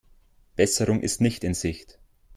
Besserung ist nicht in Sicht.